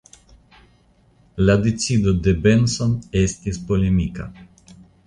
La decido de Benson estis polemika.